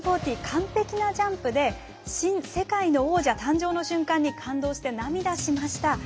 完璧なジャンプで新・世界の王者誕生の瞬間に感動して、涙しました。